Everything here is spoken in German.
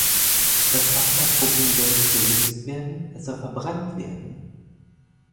Das Abfallproblem soll nicht gelöst werden, es soll verbrannt werden!